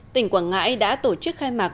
tỉnh quảng ngãi đã tổ chức khai mạc